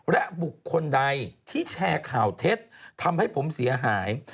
และบุคคลใดที่แชร์ข่าวเท็จทำให้ผมเสียหาย